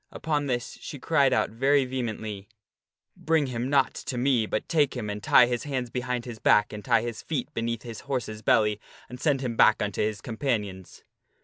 Upon this she cried out very vehemently, " Bring him not to me, but take him and tie his hands behind his back and tie his feet beneath his horse's belly, and send him back unto his companions."